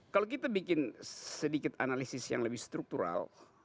kalau kita bikin sedikit analisis yang lebih struktural